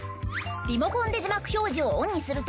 リモコンで字幕表示をオンにすると。